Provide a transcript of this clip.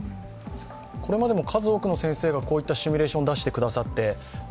これまでも数多くの先生がこういったシミュレーションを出してくださいまして